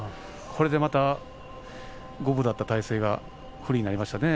これでまた五分だった体勢が不利になりましたね。